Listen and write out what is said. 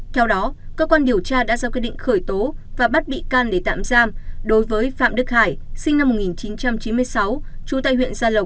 theo đó cơ quan điều tra đã ra quyết định khởi tố và bắt bị can để tạm giam đối với phạm đức hải sinh năm một nghìn chín trăm chín mươi sáu trú tại huyện gia lộc